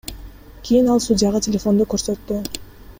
Кийин ал судьяга телефонду көрсөттү.